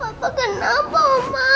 papa kenapa mama